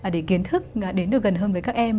để kiến thức đến được gần hơn với các em